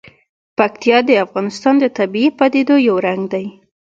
پکتیا د افغانستان د طبیعي پدیدو یو رنګ دی.